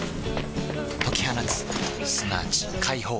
解き放つすなわち解放